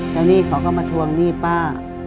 หนี้เขาก็มาทวงหนี้ป้า